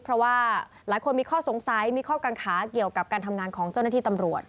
เพราะว่าหลายคนมีข้อสงสัยมีข้อกังขาเกี่ยวกับการทำงานของเจ้าหน้าที่ตำรวจ